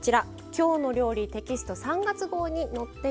「きょうの料理」テキスト３月号に載っています。